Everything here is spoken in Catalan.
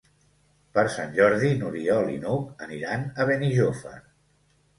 Per Sant Jordi n'Oriol i n'Hug aniran a Benijòfar.